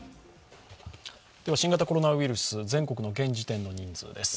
新型コロナウイルス、全国の現時点の人数です。